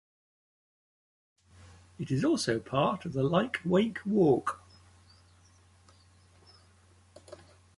It is also part of the Lyke Wake Walk.